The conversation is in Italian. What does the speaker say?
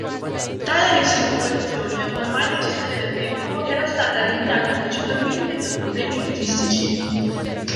Tale ristrutturazione, ormai necessaria da tempo, era stata rinviata principalmente per problemi logistici.